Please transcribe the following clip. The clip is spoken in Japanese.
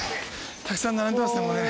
たくさん並んでますね